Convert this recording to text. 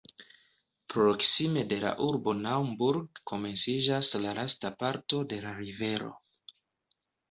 Proksime de la urbo Naumburg komenciĝas la lasta parto de la rivero.